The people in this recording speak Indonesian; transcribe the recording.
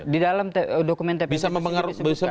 di dalam dokumen tpf munir ini disebutkan